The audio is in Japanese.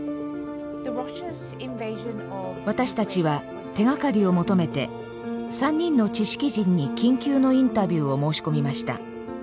私たちは手がかりを求めて３人の知識人に緊急のインタビューを申し込みました。